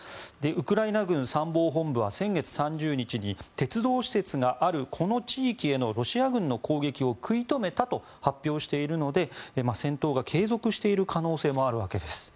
ウクライナ軍参謀本部は先月３０日に鉄道施設があるこの地域へのロシア軍の攻撃を食い止めたと発表しているので戦闘が継続している可能性もあるわけです。